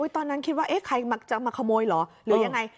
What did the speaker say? ตอนนั้นคิดว่าใครจะมาขโมยเหรอหรือยังไง